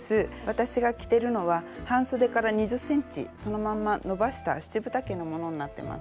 私が着てるのは半そでから２０ｃｍそのまんまのばした七分丈のものになってます。